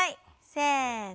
せの。